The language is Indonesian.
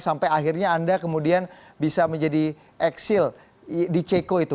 sampai akhirnya anda kemudian bisa menjadi eksil di ceko itu